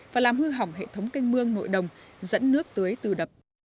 và làm hư hỏng hệ thống canh mương nội đồng dẫn nước tưới từ đập